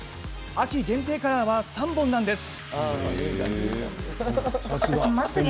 秋限定カラーは３本なんです。